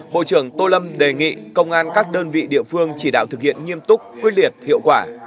bộ trưởng tô lâm đề nghị công an các đơn vị địa phương chỉ đạo thực hiện nghiêm túc quyết liệt hiệu quả